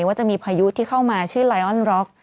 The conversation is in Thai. ว่าจะมีพายุที่เข้ามาชื่อไลออนร็อก